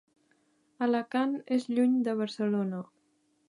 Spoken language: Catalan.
Alacant és lluny de Barcelona.